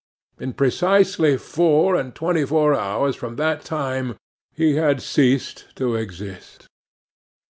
In precisely four and twenty hours from that time he had ceased to exist!